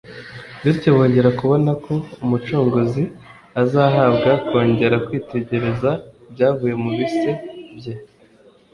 Bityo bongera kubona ko Umucunguzi azahabwa konGera kwitegereza ibyavuye mu bise bye.